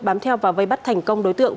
bám theo và vây bắt thành công đối tượng